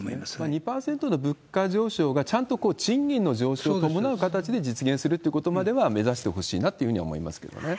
２％の物価上昇がちゃんと賃金の上昇を伴う形で実現するっていうことまでは目指してほしいなというふうには思いますけどね。